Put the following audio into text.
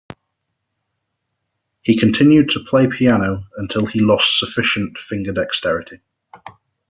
He continued to play piano until he lost sufficient finger dexterity.